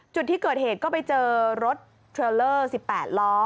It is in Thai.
จุดที่เกิดเหตุก็ไปเจอรถเทรลเลอร์๑๘ล้อ